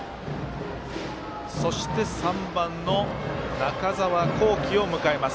そして３番の中澤恒貴を迎えます。